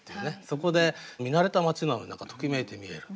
そこで見慣れた街なのに何かときめいて見える。